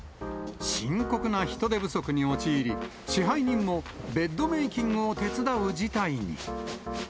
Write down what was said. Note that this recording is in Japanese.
深刻な人手不足に陥り、支配人もベッドメーキングを手伝う事態に。